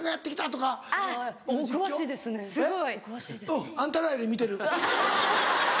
うんあんたらより見てる。